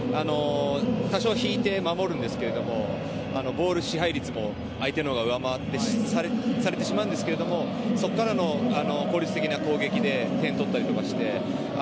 多少、引いて守るんですけれどもボール支配率も相手のほうが上回られてしまうんですがそこからの効率的な攻撃で点取ったりとかして。